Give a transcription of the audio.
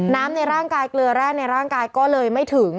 ในร่างกายเกลือแร่ในร่างกายก็เลยไม่ถึง